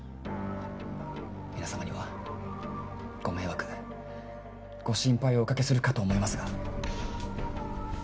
皆様にはご迷惑ご心配をおかけするかと思いますが。